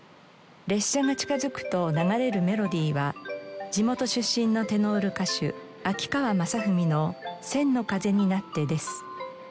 列車が近づくと流れるメロディーは地元出身のテノール歌手秋川雅史の『千の風になって』です。